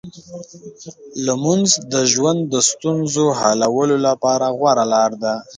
لمونځ د ژوند د ستونزو حلولو لپاره غوره لار ده.